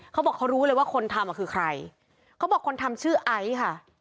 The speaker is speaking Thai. เขาบอกเขารู้เลยว่าคนทำอ่ะคือใครเขาบอกคนทำชื่อไอซ์ค่ะ